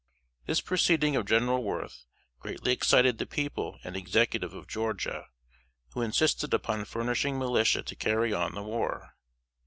This proceeding of General Worth greatly excited the people and Executive of Georgia, who insisted upon furnishing militia to carry on the war.